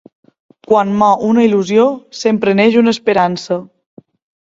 Quan mor una il·lusió, sempre neix una esperança.